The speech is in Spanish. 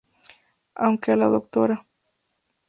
Aunque a la Dra.